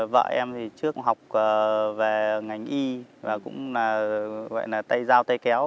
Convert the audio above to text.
vợ em thì trước học về ngành y và cũng vậy là tay dao tay kéo